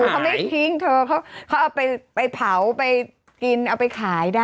เขาไม่ทิ้งเธอเขาเอาไปเผาไปกินเอาไปขายได้